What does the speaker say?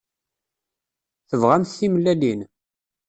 Tebɣamt timellalin?